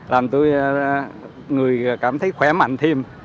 làm tôi cảm thấy khỏe mạnh thêm